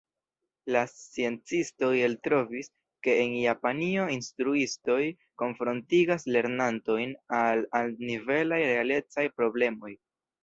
La sciencistoj eltrovis, ke en Japanio instruistoj konfrontigas lernantojn al altnivelaj realecaj problemoj.